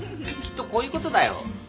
きっとこういうことだよ。